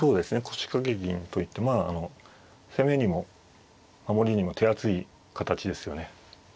腰掛け銀といってまああの攻めにも守りにも手厚い形ですよね。